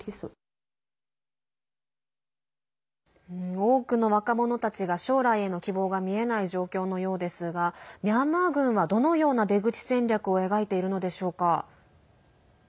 多くの若者たちが将来への希望が見えない状況のようですがミャンマー軍はどのような出口戦略を描いているのでしょうか。